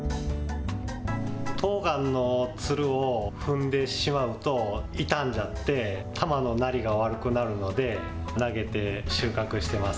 とうがんのつるを踏んでしまうと、傷んじゃって、玉のなりが悪くなるので、投げて収穫してます。